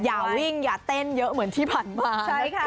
อย่าวิ่งอย่าเต้นเยอะเหมือนที่ผ่านมาใช่ค่ะ